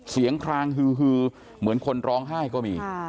คลางฮือเหมือนคนร้องไห้ก็มี